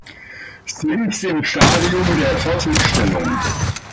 Sie ist im Stadium der Fertigstellung.